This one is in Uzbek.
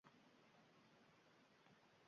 Vomiqu Uzro…